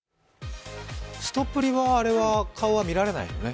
すとぷりは顔は見られないよね？